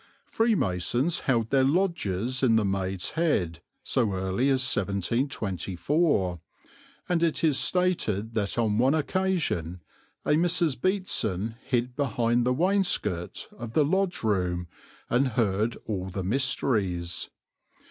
Freemasons held their lodges in the "Maid's Head" so early as 1724, and it is stated that on one occasion a Mrs. Beatson hid behind the wainscot of the lodge room and heard all the mysteries.